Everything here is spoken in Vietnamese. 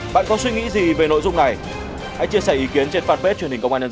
bạn có suy nghĩ gì về nội dung này hãy chia sẻ ý kiến trên fanpage truyền hình công an nhân dân